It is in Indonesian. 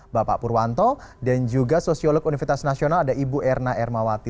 bapak purwanto dan juga sosiolog universitas nasional ada ibu erna ermawati